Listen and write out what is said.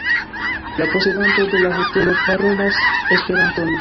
La posedanto de la hotelo parolas Esperanton.